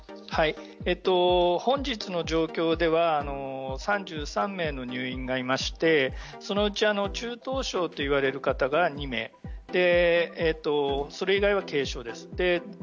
本日の状況では３３名の入院がいましてそのうち中等症といわれる方が２名それ以外は軽症です。